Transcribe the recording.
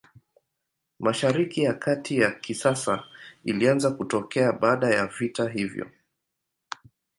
Mashariki ya Kati ya kisasa ilianza kutokea baada ya vita hiyo.